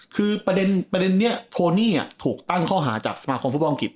คือประเด็นประเด็นนี้โทนี่อ่ะถูกตั้งข้อหาจากสมาคมฟุตบองกิจ